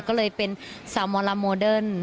ก็เลยเป็นสาวมอลลาโมเดิร์น